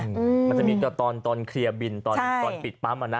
มันจะมีกับตอนเคลียร์บินตอนปิดปั๊มอ่ะนะ